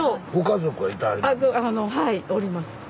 はいおります。